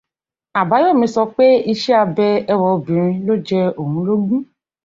Àbáyọ̀mí sọpé iṣẹ́ abẹ ẹwà Obìnrin ló jẹ òun lógún.